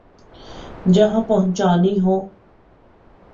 جہاں پہنچانی ہوں۔